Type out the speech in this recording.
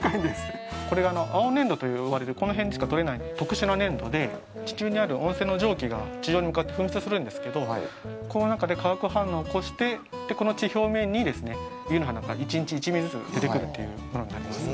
これが青粘土と呼ばれるこの辺でしか取れない特殊な粘土で地中にある温泉の蒸気が地上に向かって噴出するんですけどこの中で化学反応を起こしてこの地表面に湯の花が１日１ミリずつ出てくるというものになります。